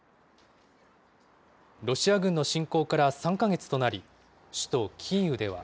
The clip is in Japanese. ロシア軍の侵攻から３か月となり、首都キーウでは。